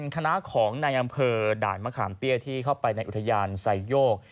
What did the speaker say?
คณะของในอำเภอด่านมะขามเตี้ยที่เข้าไปในอุทยานไซโยก